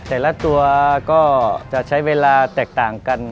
แต่ละตัวก็จะใช้เวลาแตกต่างกัน